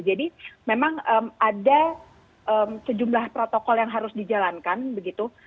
jadi memang ada sejumlah protokol yang harus dijalankan begitu